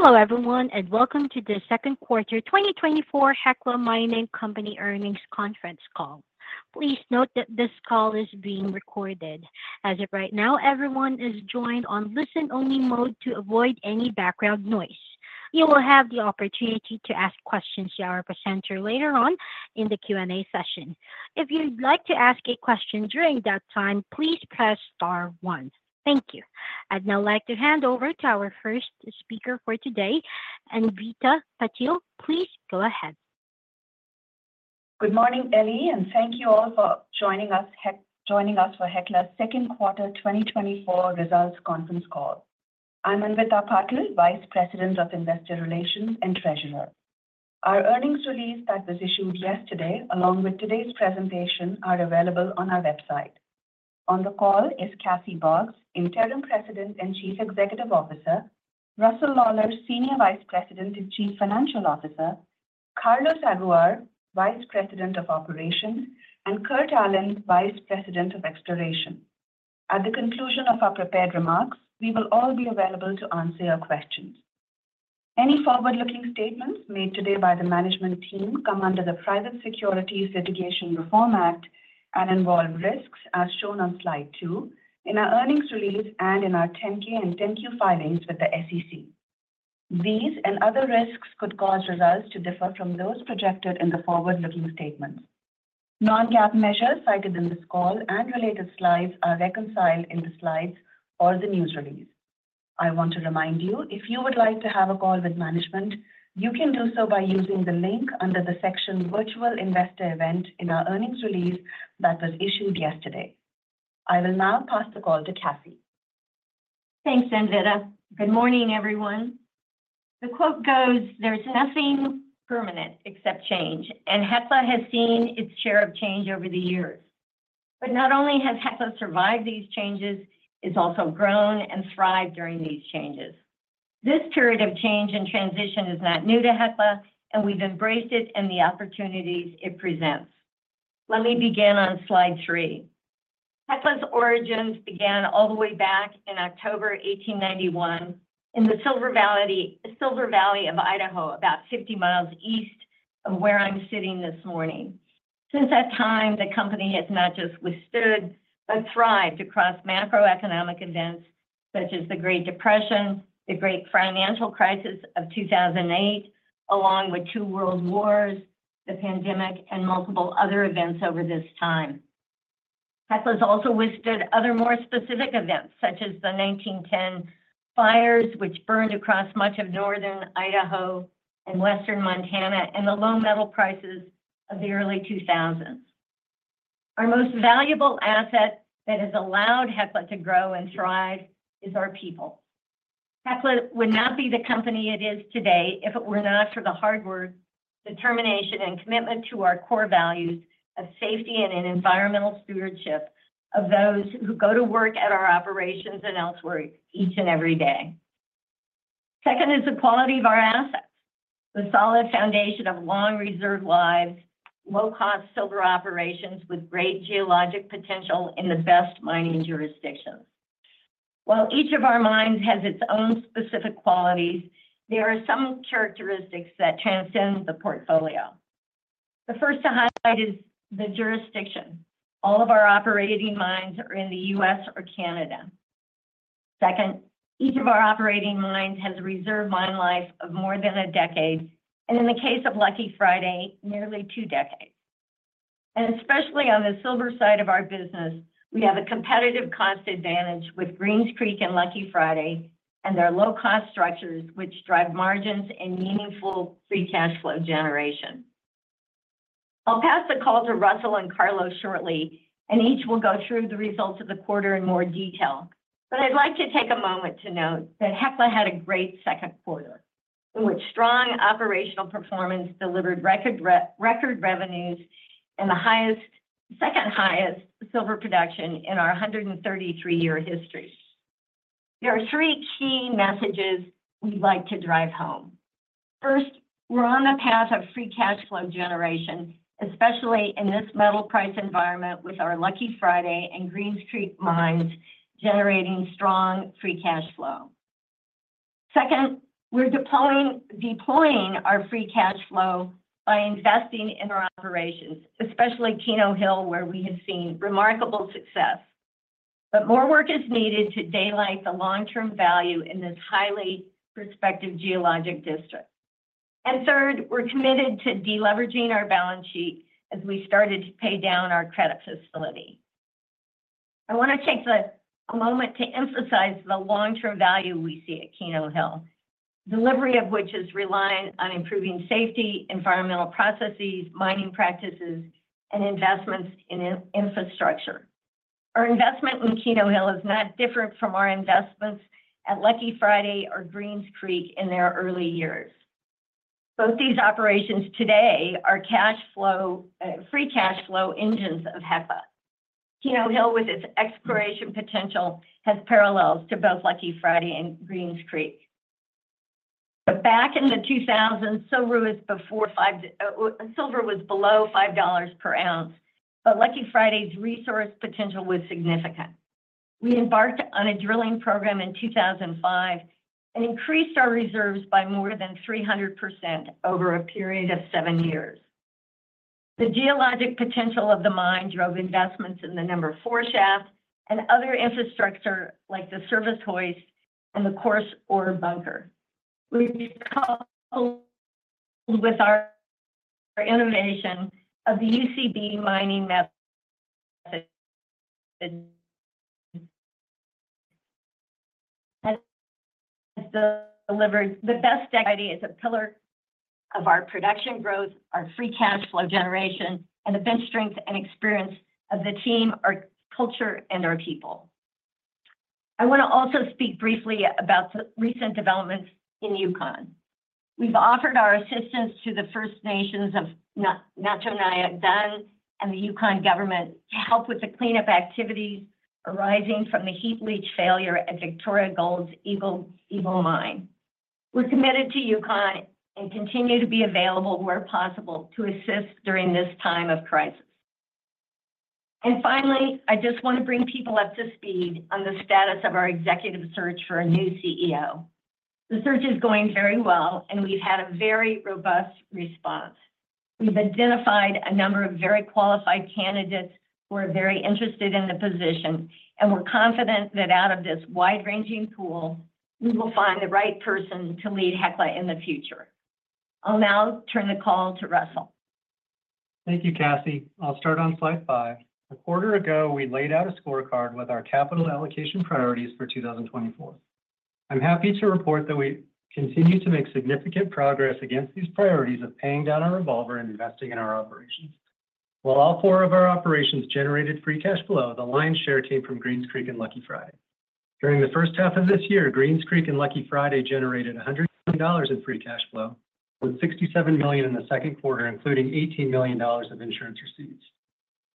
Hello, everyone, and welcome to the Second Quarter 2024 Hecla Mining Company Earnings Conference Call. Please note that this call is being recorded. As of right now, everyone is joined on listen-only mode to avoid any background noise. You will have the opportunity to ask questions to our presenter later on in the Q&A session. If you'd like to ask a question during that time, please press star one. Thank you. I'd now like to hand over to our first speaker for today, Anvita Patil. Please go ahead. Good morning, Ellie, and thank you all for joining us for Hecla's Second Quarter 2024 Results Conference Call. I'm Anvita Patil, Vice President of Investor Relations and Treasurer. Our earnings release that was issued yesterday, along with today's presentation, are available on our website. On the call is Cassie Boggs, Interim President and Chief Executive Officer; Russell Lawlar, Senior Vice President and Chief Financial Officer; Carlos Aguiar, Vice President of Operations; and Kurt Allen, Vice President of Exploration. At the conclusion of our prepared remarks, we will all be available to answer your questions. Any forward-looking statements made today by the management team come under the Private Securities Litigation Reform Act and involve risks, as shown on slide two, in our earnings release and in our 10-K and 10-Q filings with the SEC. These and other risks could cause results to differ from those projected in the forward-looking statements. Non-GAAP measures cited in this call and related slides are reconciled in the slides or the news release. I want to remind you, if you would like to have a call with management, you can do so by using the link under the section Virtual Investor Event in our earnings release that was issued yesterday. I will now pass the call to Cassie. Thanks, Anvita. Good morning, everyone. The quote goes, "There's nothing permanent except change," and Hecla has seen its share of change over the years. But not only has Hecla survived these changes, it has also grown and thrived during these changes. This period of change and transition is not new to Hecla, and we've embraced it and the opportunities it presents. Let me begin on slide three. Hecla's origins began all the way back in October 1891 in the Silver Valley of Idaho, about 50 miles east of where I'm sitting this morning. Since that time, the company has not just withstood but thrived across macroeconomic events such as The Great Depression, The Great Financial Crisis of 2008, along with two World Wars, the pandemic, and multiple other events over this time. Hecla has also withstood other more specific events such as the 1910 fires, which burned across much of northern Idaho and western Montana, and the low metal prices of the early 2000s. Our most valuable asset that has allowed Hecla to grow and thrive is our people. Hecla would not be the company it is today if it were not for the hard work, determination, and commitment to our core values of safety and environmental stewardship of those who go to work at our operations and elsewhere each and every day. Second is the quality of our assets, the solid foundation of long, reserved lives, low-cost silver operations with great geologic potential in the best mining jurisdictions. While each of our mines has its own specific qualities, there are some characteristics that transcend the portfolio. The first to highlight is the jurisdiction. All of our operating mines are in the U.S. or Canada. Second, each of our operating mines has a reserve mine life of more than a decade, and in the case of Lucky Friday, nearly two decades. And especially on the silver side of our business, we have a competitive cost advantage with Greens Creek and Lucky Friday and their low-cost structures, which drive margins and meaningful free cash flow generation. I'll pass the call to Russell and Carlos shortly, and each will go through the results of the quarter in more detail. But I'd like to take a moment to note that Hecla had a great second quarter in which strong operational performance delivered record revenues and the second highest silver production in our 133-year history. There are three key messages we'd like to drive home. First, we're on the path of free cash flow generation, especially in this metal price environment with our Lucky Friday and Greens Creek mines generating strong free cash flow. Second, we're deploying our free cash flow by investing in our operations, especially Keno Hill, where we have seen remarkable success. But more work is needed to daylight the long-term value in this highly prospective geologic district. And third, we're committed to deleveraging our balance sheet as we started to pay down our credit facility. I want to take a moment to emphasize the long-term value we see at Keno Hill, delivery of which is relying on improving safety, environmental processes, mining practices, and investments in infrastructure. Our investment in Keno Hill is not different from our investments at Lucky Friday or Greens Creek in their early years. Both these operations today are free cash flow engines of Hecla. Keno Hill, with its exploration potential, has parallels to both Lucky Friday and Greens Creek. But back in the 2000s, silver was below $5 per ounce, but Lucky Friday's resource potential was significant. We embarked on a drilling program in 2005 and increased our reserves by more than 300% over a period of seven years. The geologic potential of the mine drove investments in the number four shaft and other infrastructure like the service hoist and the coarse ore bunker. We've Coupled with our innovation of the UCB mining method. The best idea is a pillar of our production growth, our free cash flow generation, and the bench strength and experience of the team, our culture, and our people. I want to also speak briefly about the recent developments in Yukon. We've offered our assistance to the First Nation of Na-Cho Nyäk Dun and the Yukon Government to help with the cleanup activities arising from the heap leach failure at Victoria Gold's Eagle Mine. We're committed to Yukon and continue to be available where possible to assist during this time of crisis. And finally, I just want to bring people up to speed on the status of our executive search for a new CEO. The search is going very well, and we've had a very robust response. We've identified a number of very qualified candidates who are very interested in the position, and we're confident that out of this wide-ranging pool, we will find the right person to lead Hecla in the future. I'll now turn the call to Russell. Thank you, Cassie. I'll start on slide five. A quarter ago, we laid out a scorecard with our capital allocation priorities for 2024. I'm happy to report that we continue to make significant progress against these priorities of paying down our revolver and investing in our operations. While all four of our operations generated free cash flow, the lion's share came from Greens Creek and Lucky Friday. During the first half of this year, Greens Creek and Lucky Friday generated $100 million in free cash flow, with $67 million in the second quarter, including $18 million of insurance receipts.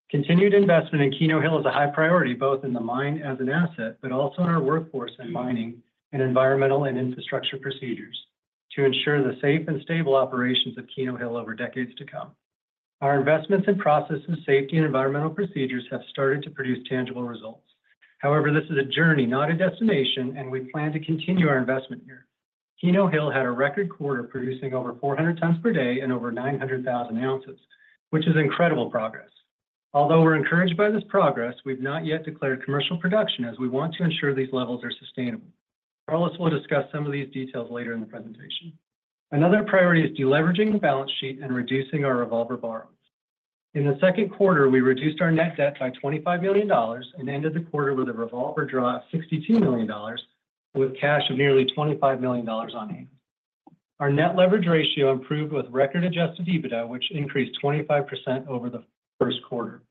Continued investment in Keno Hill is a high priority both in the mine as an asset, but also in our workforce and mining and environmental and infrastructure procedures to ensure the safe and stable operations of Keno Hill over decades to come. Our investments and processes, safety, and environmental procedures have started to produce tangible results. However, this is a journey, not a destination, and we plan to continue our investment here. Keno Hill had a record quarter producing over 400 tons per day and over 900,000 ounces, which is incredible progress. Although we're encouraged by this progress, we've not yet declared commercial production as we want to ensure these levels are sustainable. Carlos will discuss some of these details later in the presentation. Another priority is deleveraging the balance sheet and reducing our revolver borrowing. In the second quarter, we reduced our net debt by $25 million and ended the quarter with a revolver draw of $62 million, with cash of nearly $25 million on hand. Our net leverage ratio improved with record Adjusted EBITDA, which increased 25% over the first quarter.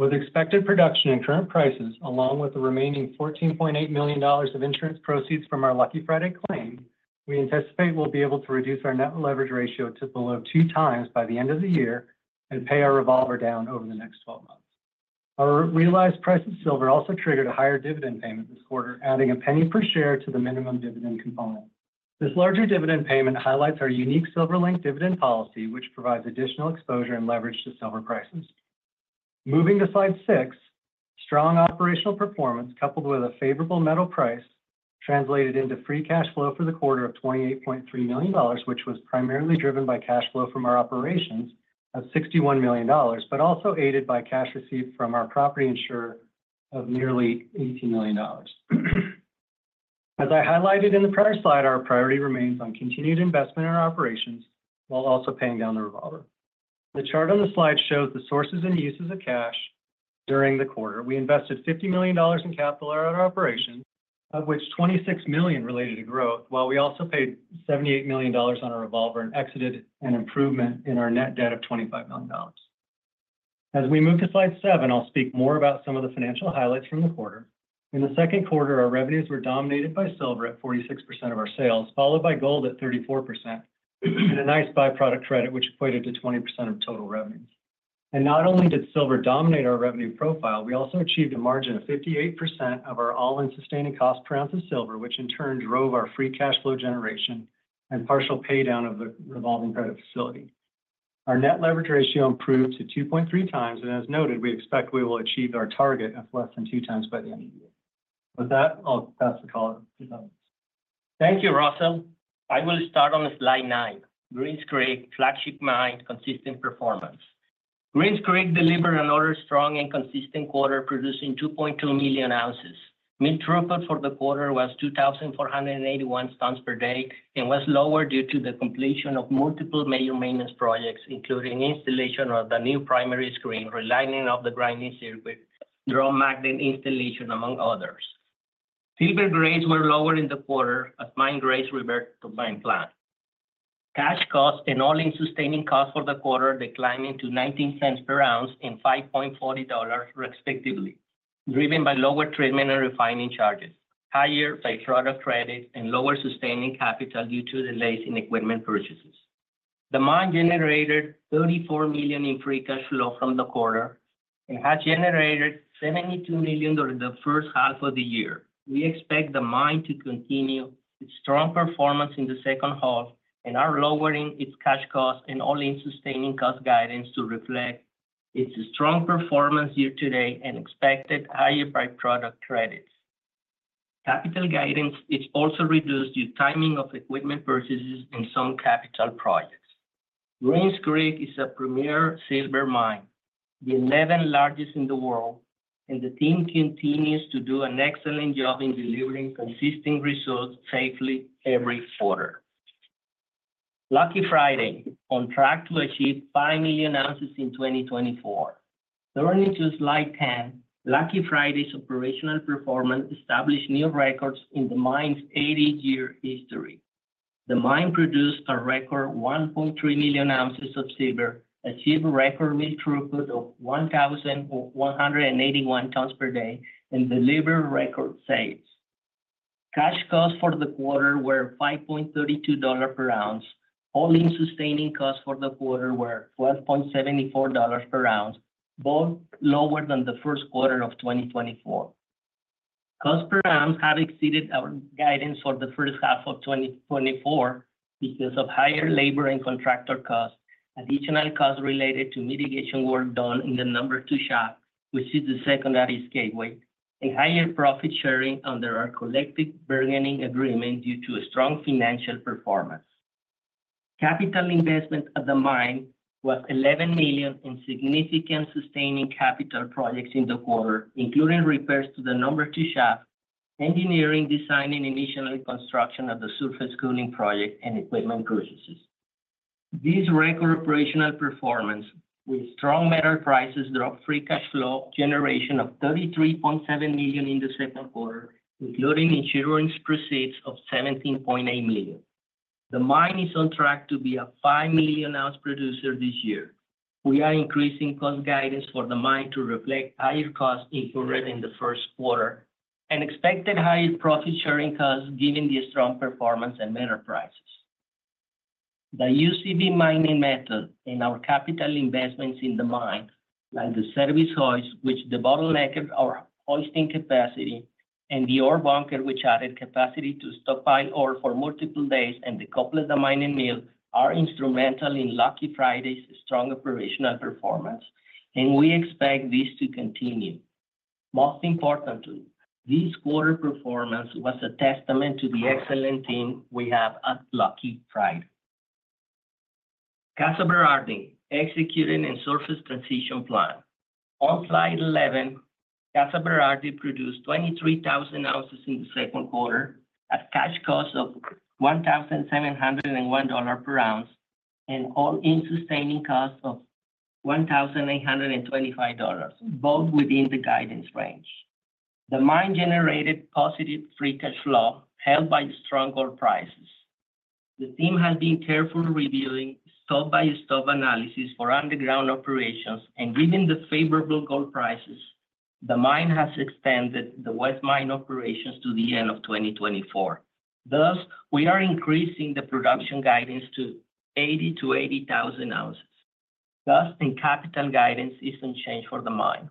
With expected production and current prices, along with the remaining $14.8 million of insurance proceeds from our Lucky Friday claim, we anticipate we'll be able to reduce our net leverage ratio to below two times by the end of the year and pay our revolver down over the next 12 months. Our realized price of silver also triggered a higher dividend payment this quarter, adding a penny per share to the minimum dividend component. This larger dividend payment highlights our unique SilverLink Dividend Policy, which provides additional exposure and leverage to silver prices. Moving to slide six, strong operational performance coupled with a favorable metal price translated into free cash flow for the quarter of $28.3 million, which was primarily driven by cash flow from our operations of $61 million, but also aided by cash received from our property insurer of nearly $18 million. As I highlighted in the prior slide, our priority remains on continued investment in our operations while also paying down the revolver. The chart on the slide shows the sources and uses of cash during the quarter. We invested $50 million in capital at our operations, of which $26 million related to growth, while we also paid $78 million on our revolver and exited an improvement in our net debt of $25 million. As we move to slide seven, I'll speak more about some of the financial highlights from the quarter. In the second quarter, our revenues were dominated by silver at 46% of our sales, followed by gold at 34%, and a nice byproduct credit, which equated to 20% of total revenues. Not only did silver dominate our revenue profile, we also achieved a margin of 58% of our all-in sustaining cost per ounce of silver, which in turn drove our free cash flow generation and partial paydown of the revolving credit facility. Our net leverage ratio improved to 2.3x and as noted, we expect we will achieve our target of less than 2x by the end of the year. With that, I'll pass the call to. Thank you, Russell. I will start on slide nine, Greens Creek flagship mine consistent performance. Greens Creek delivered another strong and consistent quarter producing 2.2 million ounces. Mill throughput for the quarter was 2,481 tons per day and was lower due to the completion of multiple major maintenance projects, including installation of the new primary screen, relining of the grinding circuit, drum magnet installation, among others. Silver grades were lower in the quarter as mine grades revert to mine plan. Cash cost and all-in sustaining cost for the quarter declined to $0.19 per ounce and $5.40 respectively, driven by lower treatment and refining charges, higher byproduct credit, and lower sustaining capital due to delays in equipment purchases. The mine generated $34 million in free cash flow from the quarter and has generated $72 million during the first half of the year. We expect the mine to continue its strong performance in the second half and are lowering its cash cost and all-in sustaining cost guidance to reflect its strong performance year to date and expected higher byproduct credits. Capital guidance is also reduced due to timing of equipment purchases and some capital projects. Greens Creek is a premier silver mine, the 11th largest in the world, and the team continues to do an excellent job in delivering consistent results safely every quarter. Lucky Friday on track to achieve 5 million ounces in 2024. Turning to slide 10, Lucky Friday's operational performance established new records in the mine's 80-year history. The mine produced a record 1.3 million ounces of silver, achieved a record mill throughput of 1,181 tons per day, and delivered record sales. Cash cost for the quarter were $5.32 per ounce. All-in sustaining cost for the quarter were $12.74 per ounce, both lower than the first quarter of 2024. Cost per ounce has exceeded our guidance for the first half of 2024 because of higher labor and contractor costs, additional costs related to mitigation work done in the No. 2 shaft, which is the secondary escape way, and higher profit sharing under our collective bargaining agreement due to strong financial performance. Capital investment at the mine was $11 million in significant sustaining capital projects in the quarter, including repairs to the No. 2 shaft, engineering, design, and initial construction of the surface cooling project and equipment purchases. This record operational performance, with strong metal prices, dropped free cash flow generation of $33.7 million in the second quarter, including insurance proceeds of $17.8 million. The mine is on track to be a 5-million-ounce producer this year. We are increasing cost guidance for the mine to reflect higher cost incurred in the first quarter and expected higher profit sharing costs given the strong performance and metal prices. The UCB mining method and our capital investments in the mine, like the service hoist, which doubled our hoisting capacity, and the ore bunker, which added capacity to stockpile ore for multiple days and decouple the mining mill, are instrumental in Lucky Friday's strong operational performance, and we expect this to continue. Most importantly, this quarter performance was a testament to the excellent team we have at Lucky Friday. Casa Berardi, executing a surface transition plan. On slide 11, Casa Berardi produced 23,000 ounces in the second quarter at cash cost of $1,701 per ounce and all-in sustaining cost of $1,825, both within the guidance range. The mine generated positive free cash flow helped by strong gold prices. The team has been carefully reviewing stope-by-stope analysis for underground operations and given the favorable gold prices, the mine has extended the West Mine operations to the end of 2024. Thus, we are increasing the production guidance to 80-80,000 ounces. Thus, the capital guidance is unchanged for the mine.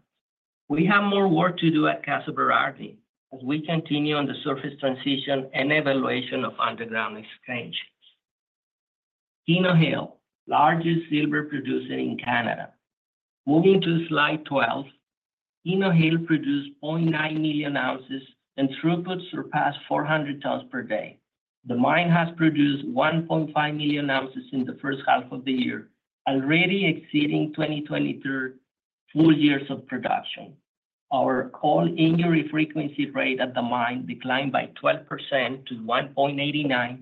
We have more work to do at Casa Berardi as we continue on the surface transition and evaluation of underground extensions. Keno Hill, largest silver producer in Canada. Moving to slide 12, Keno Hill produced 0.9 million ounces and throughput surpassed 400 tons per day. The mine has produced 1.5 million ounces in the first half of the year, already exceeding 2023 full year's production. Our all injury frequency rate at the mine declined by 12% to 1.89,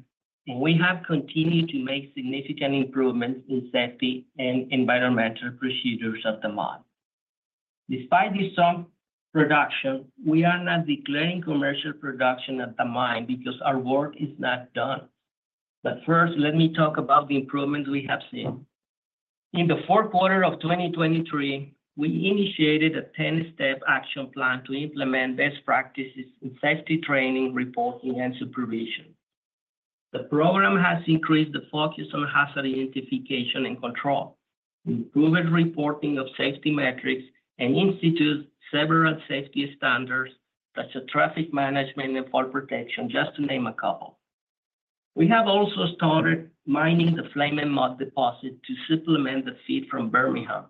and we have continued to make significant improvements in safety and environmental procedures at the mine. Despite this strong production, we are not declaring commercial production at the mine because our work is not done. But first, let me talk about the improvements we have seen. In the fourth quarter of 2023, we initiated a 10-step action plan to implement best practices in safety training, reporting, and supervision. The program has increased the focus on hazard identification and control, improved reporting of safety metrics, and instituted several safety standards such as traffic management and fall protection, just to name a couple. We have also started mining the Flame & Moth deposit to supplement the feed from Bermingham.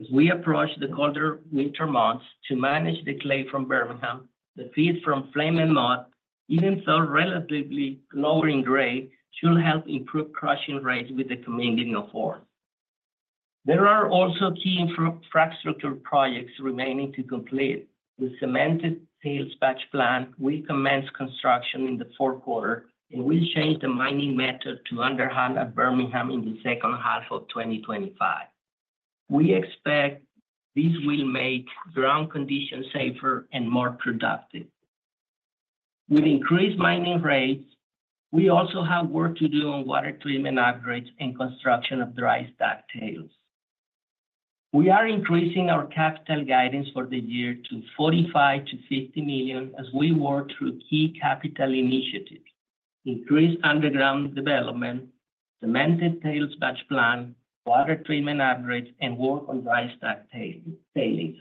As we approach the colder winter months to manage the clay from Bermingham, the feed from Flame & Moth, even though relatively lower in grade, should help improve crushing rates with the commingling of ore. There are also key infrastructure projects remaining to complete. The Cemented Paste Backfill Plant will commence construction in the fourth quarter, and we'll change the mining method to underhand at Bermingham in the second half of 2025. We expect this will make ground conditions safer and more productive. With increased mining rates, we also have work to do on water treatment upgrades and construction of dry stack tailings. We are increasing our capital guidance for the year to $45-$50 million as we work through key capital initiatives: increased underground development, Cemented Paste Backfill Plant, water treatment upgrades, and work on dry stack tailings.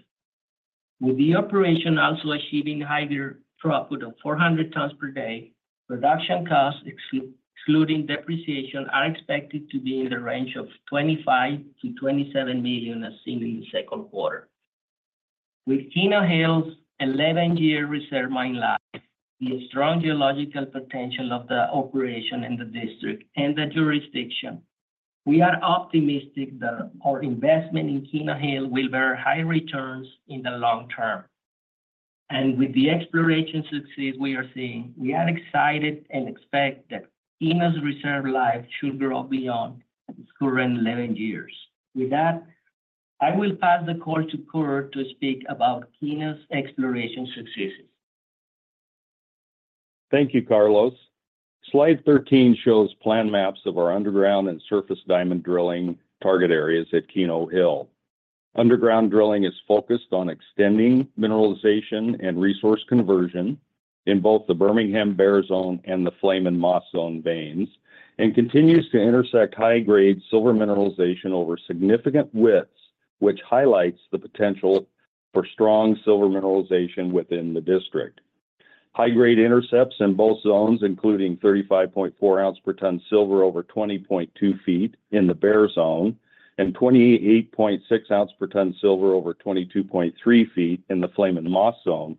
With the operation also achieving higher throughput of 400 tons per day, production costs, excluding depreciation, are expected to be in the range of $25-$27 million as seen in the second quarter. With Keno Hill's 11-year reserve mine life, the strong geological potential of the operation in the district, and the jurisdiction, we are optimistic that our investment in Keno Hill will bear high returns in the long term. And with the exploration success we are seeing, we are excited and expect that Keno's reserve life should grow beyond its current 11 years. With that, I will pass the call to Kurt to speak about Keno's exploration successes. Thank you, Carlos. Slide 13 shows plan maps of our underground and surface diamond drilling target areas at Keno Hill. Underground drilling is focused on extending mineralization and resource conversion in both the Bermingham Bear Zone and the Flame & Moth Zone veins and continues to intersect high-grade silver mineralization over significant widths, which highlights the potential for strong silver mineralization within the district. High-grade intercepts in both zones, including 35.4 ounces per ton silver over 20.2 feet in the Bear Zone and 28.6 ounces per ton silver over 22.3 feet in the Flame & Moth Zone,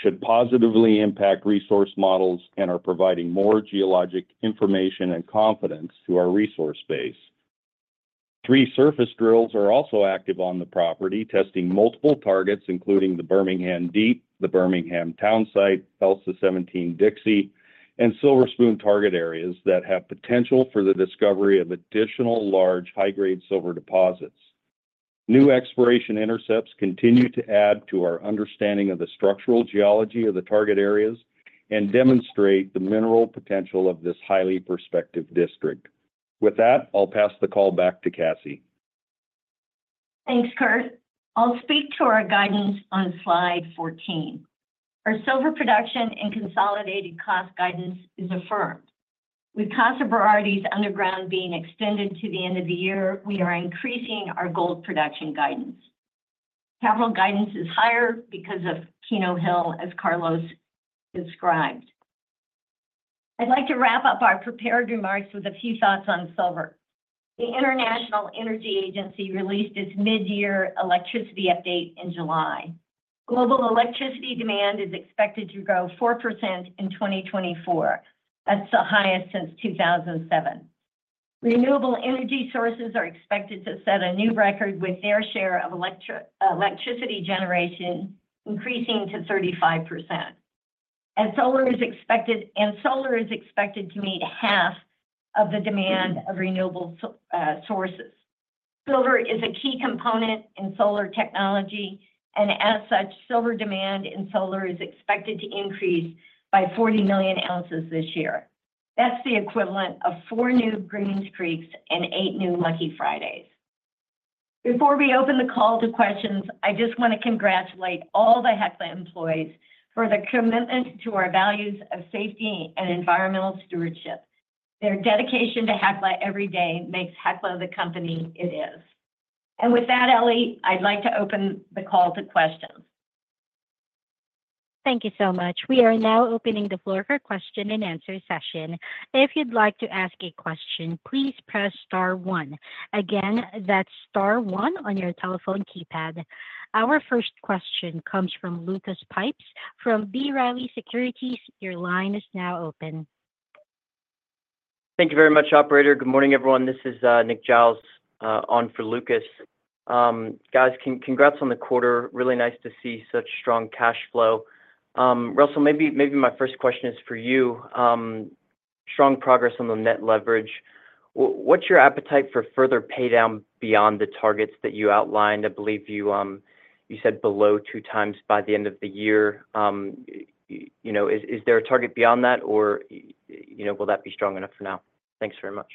should positively impact resource models and are providing more geologic information and confidence to our resource base. 3 surface drills are also active on the property, testing multiple targets, including the Bermingham Deep, the Bermingham Townsite, Elsa 37, Dixie, and Silver Spoon target areas that have potential for the discovery of additional large high-grade silver deposits. New exploration intercepts continue to add to our understanding of the structural geology of the target areas and demonstrate the mineral potential of this highly prospective district. With that, I'll pass the call back to Cassie. Thanks, Kurt. I'll speak to our guidance on slide 14. Our silver production and consolidated cost guidance is affirmed. With Casa Berardi's underground being extended to the end of the year, we are increasing our gold production guidance. Capital guidance is higher because of Keno Hill, as Carlos described. I'd like to wrap up our prepared remarks with a few thoughts on silver. The International Energy Agency released its mid-year electricity update in July. Global electricity demand is expected to grow 4% in 2024. That's the highest since 2007. Renewable energy sources are expected to set a new record with their share of electricity generation increasing to 35%. And solar is expected to meet half of the demand of renewable sources. Silver is a key component in solar technology, and as such, silver demand in solar is expected to increase by 40 million ounces this year. That's the equivalent of four new Greens Creeks and eight new Lucky Fridays. Before we open the call to questions, I just want to congratulate all the Hecla employees for their commitment to our values of safety and environmental stewardship. Their dedication to Hecla every day makes Hecla the company it is. With that, Ellie, I'd like to open the call to questions. Thank you so much. We are now opening the floor for a question and answer session. If you'd like to ask a question, please press star one. Again, that's star one on your telephone keypad. Our first question comes from Lucas Pipes from B. Riley Securities. Your line is now open. Thank you very much, operator. Good morning, everyone. This is Nick Giles on for Lucas. Guys, congrats on the quarter. Really nice to see such strong cash flow. Russell, maybe my first question is for you. Strong progress on the net leverage. What's your appetite for further paydown beyond the targets that you outlined? I believe you said below two times by the end of the year. Is there a target beyond that, or will that be strong enough for now? Thanks very much.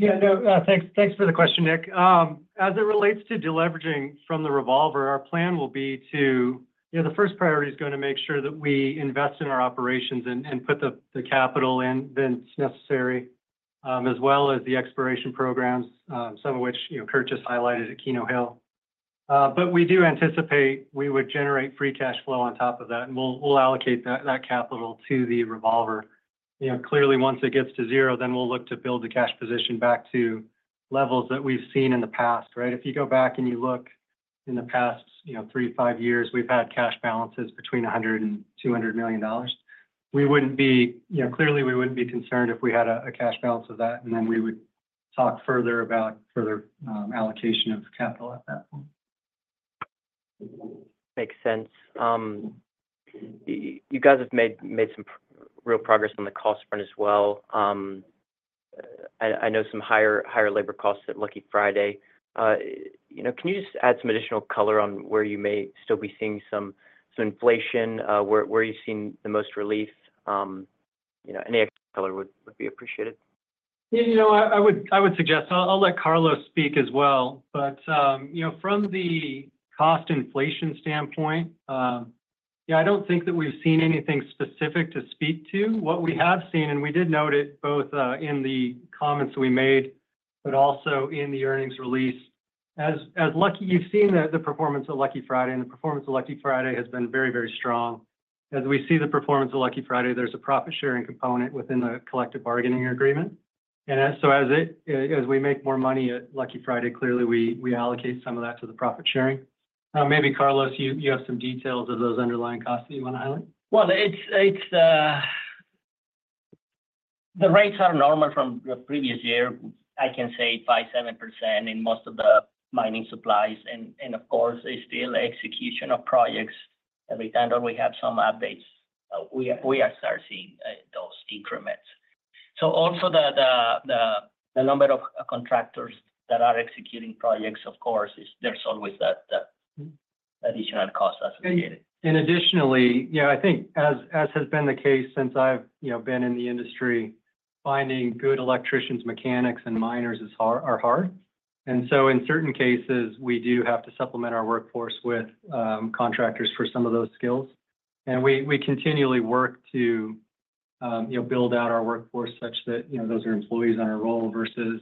Yeah, no, thanks for the question, Nick. As it relates to deleveraging from the revolver, our plan will be to, the first priority is going to make sure that we invest in our operations and put the capital in that's necessary, as well as the exploration programs, some of which Kurt just highlighted at Keno Hill. But we do anticipate we would generate free cash flow on top of that, and we'll allocate that capital to the revolver. Clearly, once it gets to zero, then we'll look to build the cash position back to levels that we've seen in the past. If you go back and you look in the past 3, 5 years, we've had cash balances between $100 million and $200 million. We wouldn't be, clearly, we wouldn't be concerned if we had a cash balance of that, and then we would talk further about further allocation of capital at that point. Makes sense. You guys have made some real progress on the cost front as well. I know some higher labor costs at Lucky Friday. Can you just add some additional color on where you may still be seeing some inflation, where you've seen the most relief? Any color would be appreciated. Yeah, I would suggest I'll let Carlos speak as well. But from the cost inflation standpoint, yeah, I don't think that we've seen anything specific to speak to. What we have seen, and we did note it both in the comments that we made, but also in the earnings release, as you've seen the performance of Lucky Friday, and the performance of Lucky Friday has been very, very strong. As we see the performance of Lucky Friday, there's a profit sharing component within the collective bargaining agreement. And so as we make more money at Lucky Friday, clearly, we allocate some of that to the profit sharing. Maybe Carlos, you have some details of those underlying costs that you want to highlight. Well, the rates are normal from the previous year. I can say 5%-7% in most of the mining supplies. And of course, it's still execution of projects. Every time that we have some updates, we are starting those increments. So also the number of contractors that are executing projects, of course, there's always that additional cost associated. And additionally, I think, as has been the case since I've been in the industry, finding good electricians, mechanics, and miners is hard. And so in certain cases, we do have to supplement our workforce with contractors for some of those skills. And we continually work to build out our workforce such that those are employees on the payroll vs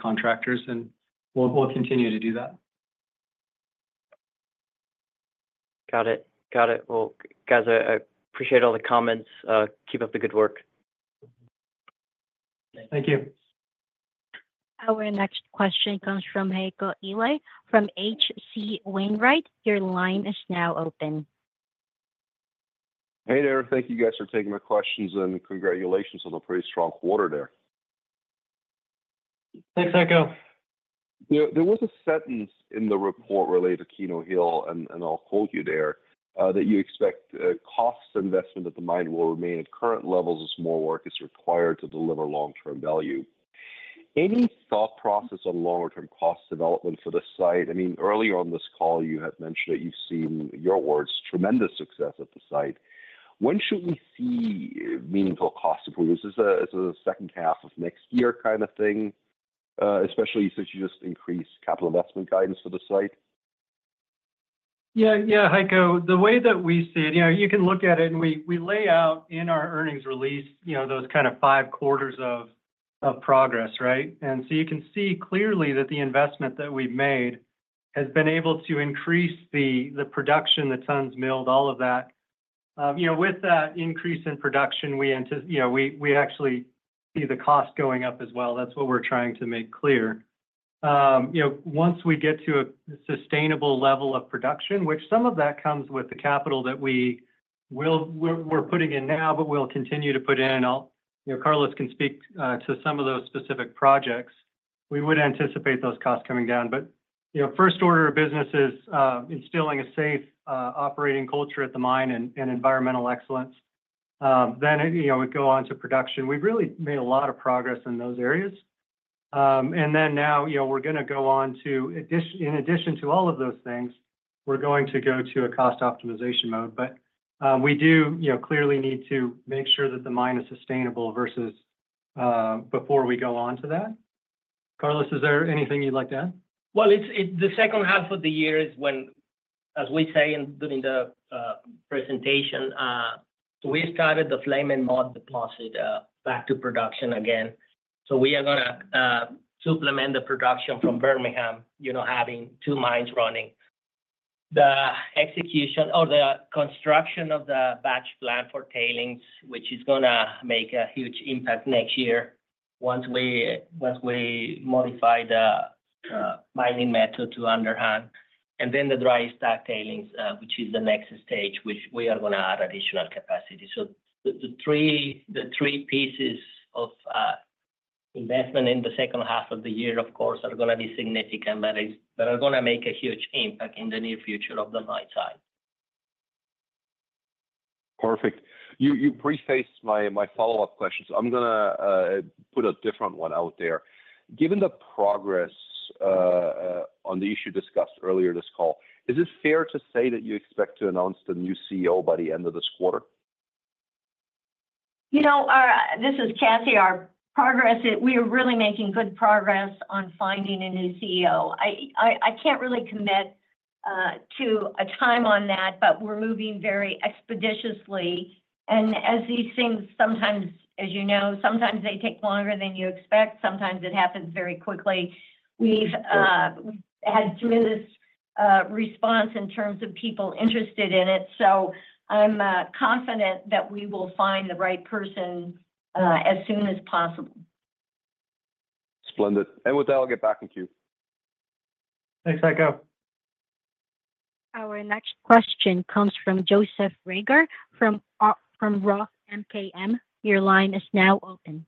contractors. And we'll continue to do that. Got it. Got it. Well, guys, I appreciate all the comments. Keep up the good work. Thank you. Our next question comes from Heiko Ihle from H.C. Wainwright. Your line is now open. Hey there. Thank you, guys, for taking my questions. And congratulations on a pretty strong quarter there. Thanks, Heiko. There was a sentence in the report related to Keno Hill, and I'll quote you there, that you expect cost investment at the mine will remain at current levels as more work is required to deliver long-term value. Any thought process on longer-term cost development for the site? I mean, earlier on this call, you had mentioned that you've seen, in your words, tremendous success at the site. When should we see meaningful cost improvements? Is this the second half of next year kind of thing, especially since you just increased capital investment guidance for the site? Yeah, yeah, Heiko. The way that we see it, you can look at it, and we lay out in our earnings release those kind of five quarters of progress, right? You can see clearly that the investment that we've made has been able to increase the production, the tons milled, all of that. With that increase in production, we actually see the cost going up as well. That's what we're trying to make clear. Once we get to a sustainable level of production, which some of that comes with the capital that we're putting in now, but we'll continue to put in, and Carlos can speak to some of those specific projects, we would anticipate those costs coming down. But first order of business is instilling a safe operating culture at the mine and environmental excellence. Then we'd go on to production. We've really made a lot of progress in those areas. And then now we're going to go on to, in addition to all of those things, we're going to go to a cost optimization mode. But we do clearly need to make sure that the mine is sustainable versus before we go on to that. Carlos, is there anything you'd like to add? Well, the second half of the year is when, as we say during the presentation, we started the Flame & Moth deposit back to production again. So we are going to supplement the production from Bermingham, having two mines running. The execution or the construction of the backfill plant for tailings, which is going to make a huge impact next year once we modify the mining method to underhand. And then the dry stack tailings, which is the next stage, which we are going to add additional capacity. So the three pieces of investment in the second half of the year, of course, are going to be significant, but are going to make a huge impact in the near future of the mine site. Perfect. You prefaced my follow-up question. So I'm going to put a different one out there. Given the progress on the issue discussed earlier this call, is it fair to say that you expect to announce the new CEO by the end of this quarter? This is Cassie. Our progress. We are really making good progress on finding a new CEO. I can't really commit to a time on that, but we're moving very expeditiously. And as these things sometimes, as you know, sometimes they take longer than you expect. Sometimes it happens very quickly. We've had tremendous response in terms of people interested in it. So I'm confident that we will find the right person as soon as possible. Splendid. With that, I'll get back to you. Thanks, Hecla. Our next question comes from Joseph Reagor from Roth MKM. Your line is now open.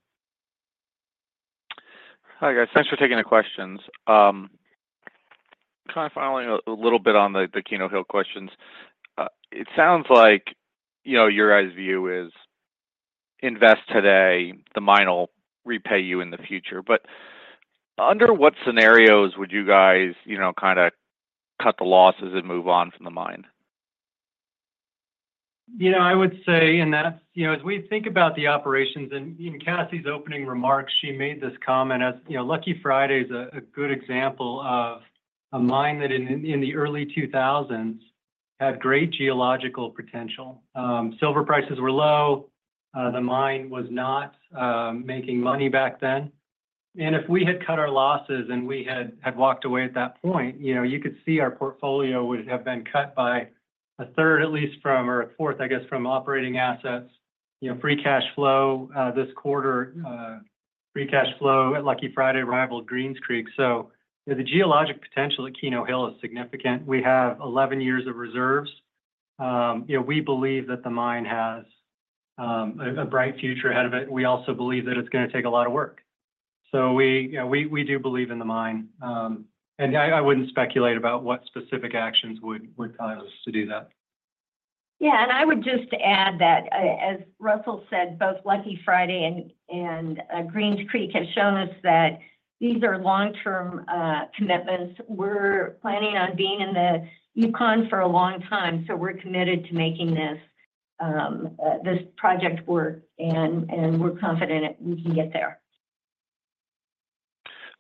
Hi, guys. Thanks for taking the questions. Kind of following a little bit on the Keno Hill questions. It sounds like your guys' view is invest today, the mine will repay you in the future. But under what scenarios would you guys kind of cut the losses and move on from the mine? I would say, and as we think about the operations, and in Cassie's opening remarks, she made this comment as Lucky Friday is a good example of a mine that in the early 2000s had great geological potential. Silver prices were low. The mine was not making money back then. If we had cut our losses and we had walked away at that point, you could see our portfolio would have been cut by a third, at least, from, or a fourth, I guess, from operating assets. Free Cash Flow this quarter, Free Cash Flow at Lucky Friday rivaled Greens Creek. So the geologic potential at Keno Hill is significant. We have 11 years of reserves. We believe that the mine has a bright future ahead of it. We also believe that it's going to take a lot of work. So we do believe in the mine. And I wouldn't speculate about what specific actions would cause us to do that. Yeah. And I would just add that, as Russell said, both Lucky Friday and Greens Creek have shown us that these are long-term commitments. We're planning on being in the Yukon for a long time. So we're committed to making this project work. And we're confident we can get there.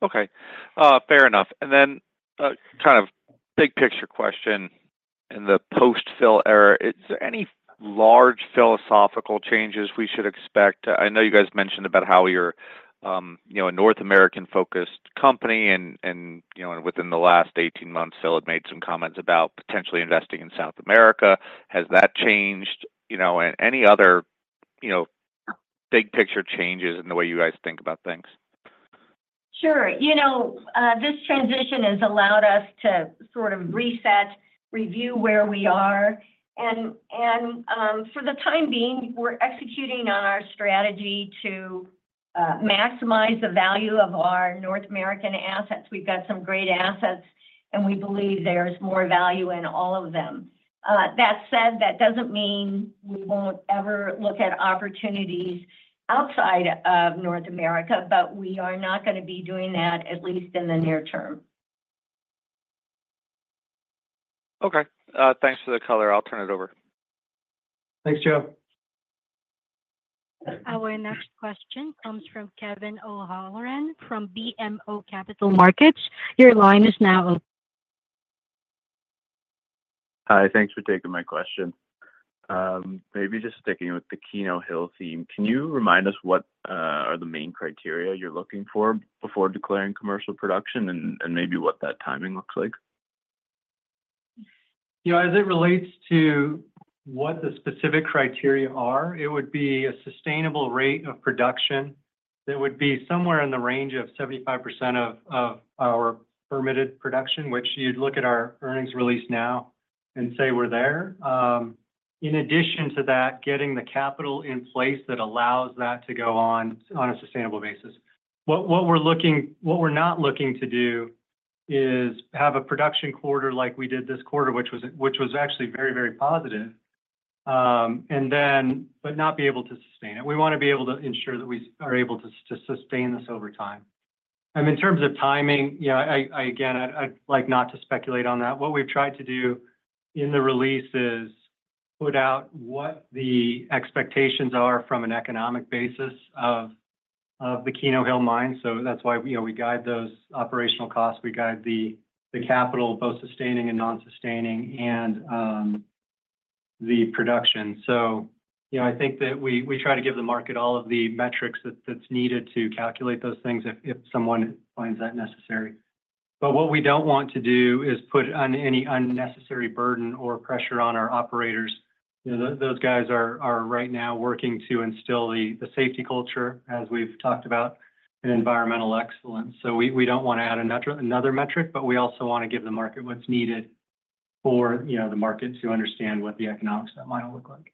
Okay. Fair enough. And then kind of big picture question in the post-Phil era, is there any large philosophical changes we should expect? I know you guys mentioned about how you're a North American-focused company, and within the last 18 months, Phil had made some comments about potentially investing in South America. Has that changed? And any other big picture changes in the way you guys think about things? Sure. This transition has allowed us to sort of reset, review where we are. And for the time being, we're executing on our strategy to maximize the value of our North American assets. We've got some great assets, and we believe there's more value in all of them. That said, that doesn't mean we won't ever look at opportunities outside of North America, but we are not going to be doing that, at least in the near term. Okay. Thanks for the color. I'll turn it over. Thanks, Joe. Our next question comes from Kevin O'Halloran from BMO Capital Markets. Your line is now open. Hi. Thanks for taking my question. Maybe just sticking with the Keno Hill theme. Can you remind us what are the main criteria you're looking for before declaring commercial production and maybe what that timing looks like? As it relates to what the specific criteria are, it would be a sustainable rate of production that would be somewhere in the range of 75% of our permitted production, which you'd look at our earnings release now and say we're there. In addition to that, getting the capital in place that allows that to go on on a sustainable basis. What we're not looking to do is have a production quarter like we did this quarter, which was actually very, very positive, but not be able to sustain it. We want to be able to ensure that we are able to sustain this over time. In terms of timing, again, I'd like not to speculate on that. What we've tried to do in the release is put out what the expectations are from an economic basis of the Keno Hill mine. That's why we guide those operational costs. We guide the capital, both sustaining and non-sustaining, and the production. I think that we try to give the market all of the metrics that's needed to calculate those things if someone finds that necessary. But what we don't want to do is put on any unnecessary burden or pressure on our operators. Those guys are right now working to instill the safety culture, as we've talked about, and environmental excellence. So we don't want to add another metric, but we also want to give the market what's needed for the market to understand what the economics of that mine will look like.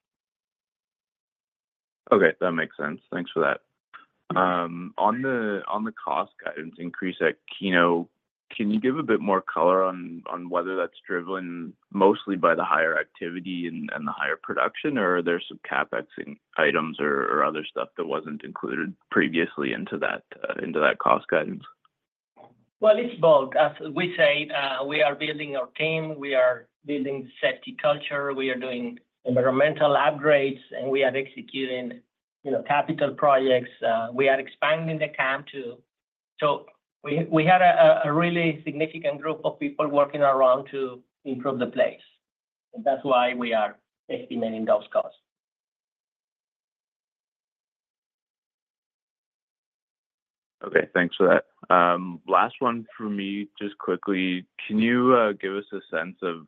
Okay. That makes sense. Thanks for that. On the cost guidance increase at Keno, can you give a bit more color on whether that's driven mostly by the higher activity and the higher production, or are there some CapEx items or other stuff that wasn't included previously into that cost guidance? Well, it's both. As we say, we are building our team. We are building the safety culture. We are doing environmental upgrades, and we are executing capital projects. We are expanding the camp too. So we had a really significant group of people working around to improve the place. And that's why we are estimating those costs. Okay. Thanks for that. Last one for me, just quickly. Can you give us a sense of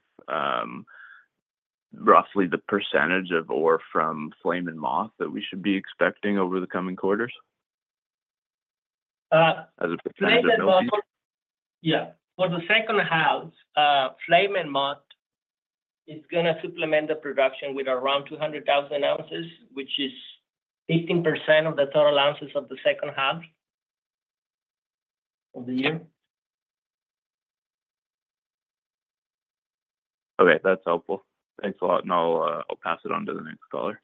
roughly the % of ore from Flame & Moth that we should be expecting over the coming quarters as a % of? Yeah. For the second half, Flame & Moth is going to supplement the production with around 200,000 ounces, which is 15% of the total ounces of the second half of the year. Okay. That's helpful. Thanks a lot. And I'll pass it on to the next caller.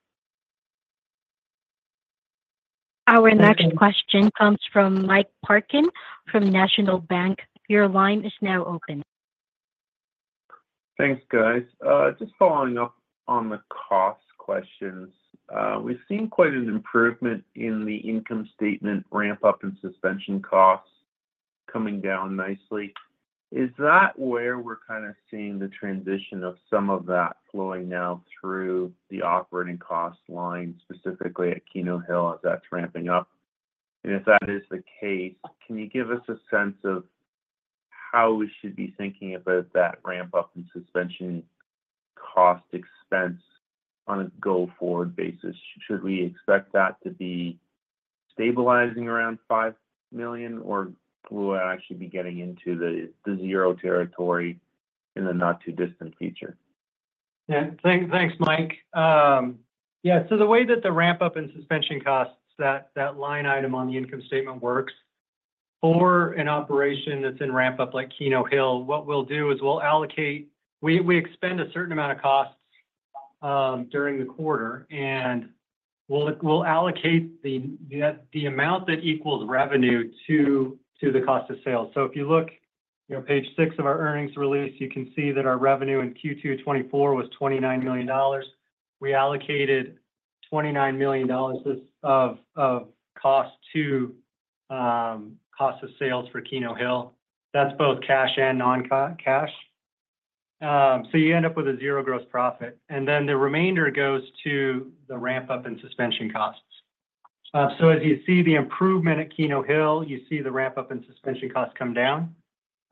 Our next question comes from Mike Parkin from National Bank. Your line is now open. Thanks, guys. Just following up on the cost questions. We've seen quite an improvement in the income statement ramp-up and suspension costs coming down nicely. Is that where we're kind of seeing the transition of some of that flowing now through the operating cost line, specifically at Keno Hill, as that's ramping up? And if that is the case, can you give us a sense of how we should be thinking about that ramp-up and suspension cost expense on a go-forward basis? Should we expect that to be stabilizing around $5 million, or will it actually be getting into the zero territory in the not-too-distant future? Yeah. Thanks, Mike. Yeah. So the way that the ramp-up and suspension costs, that line item on the income statement works, for an operation that's in ramp-up like Keno Hill, what we'll do is we'll allocate we expend a certain amount of costs during the quarter, and we'll allocate the amount that equals revenue to the cost of sales. So if you look at page six of our earnings release, you can see that our revenue in Q2 2024 was $29 million. We allocated $29 million of cost to cost of sales for Keno Hill. That's both cash and non-cash. So you end up with a zero gross profit. And then the remainder goes to the ramp-up and suspension costs. So as you see the improvement at Keno Hill, you see the ramp-up and suspension costs come down.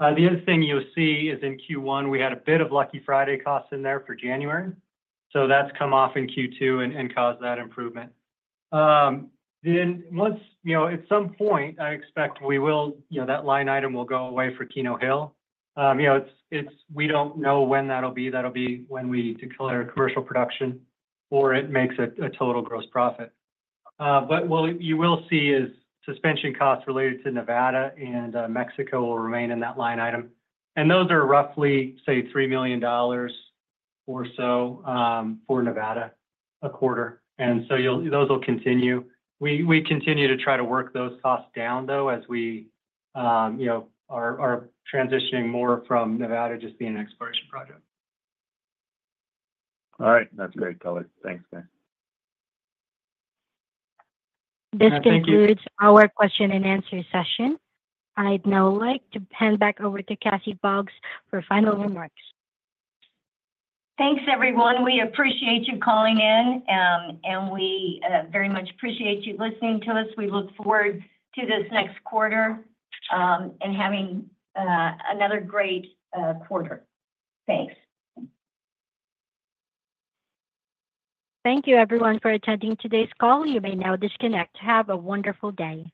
The other thing you'll see is in Q1, we had a bit of Lucky Friday costs in there for January. So that's come off in Q2 and caused that improvement. Then once at some point, I expect that line item will go away for Keno Hill. We don't know when that'll be. That'll be when we declare commercial production or it makes a total gross profit. But what you will see is suspension costs related to Nevada and Mexico will remain in that line item. And those are roughly, say, $3 million or so for Nevada a quarter. And so those will continue. We continue to try to work those costs down, though, as we are transitioning more from Nevada just being an exploration project. All right. That's great, Kelly. Thanks, guys. This concludes our question-and-answer session. I'd now like to hand back over to Cassie Boggs for final remarks. Thanks, everyone. We appreciate you calling in, and we very much appreciate you listening to us. We look forward to this next quarter and having another great quarter. Thanks. Thank you, everyone, for attending today's call. You may now disconnect. Have a wonderful day.